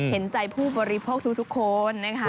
เห็นใจผู้บริโภคทุกคนนะคะ